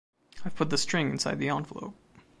I've put the string inside the envelope.